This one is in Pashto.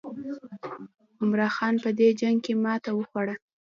عمرا خان په دې جنګ کې ماته وخوړه.